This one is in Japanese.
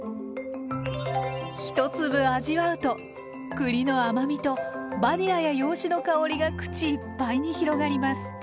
一粒味わうと栗の甘みとバニラや洋酒の香りが口いっぱいに広がります。